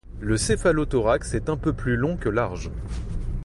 Le céphalothorax est un peu plus long que large.